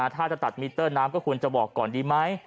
ถ้าจะตัดมิเตอร์น้ำก็ควรจะบอกก่อนดีไหม